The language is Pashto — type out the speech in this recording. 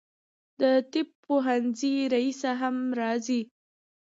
د طب پوهنځي رییسه هم راځي.